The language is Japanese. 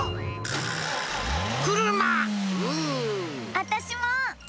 あたしも！